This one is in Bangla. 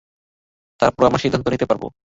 তারপর আমরা সিদ্ধান্ত নিতে পারবো।